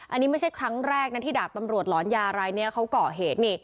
อันนี้ไม่ใช่ครั้งแรกนะที่ดาบตำรวจหลอนยารายนี้เขาก่อเหตุนี่